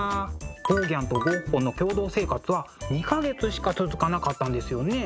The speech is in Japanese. ゴーギャンとゴッホの共同生活は２か月しか続かなかったんですよね。